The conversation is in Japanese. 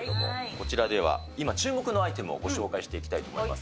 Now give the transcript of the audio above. こちらでは、今、注目のアイテムをご紹介していきたいと思います。